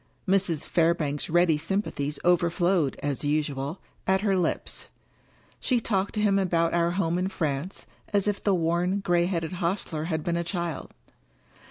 Mrs. Fairbank's ready sympathies overflowed, as usual, at her lips. She talked to him about our home in France, as if the worn, gray headed hostler had been a child.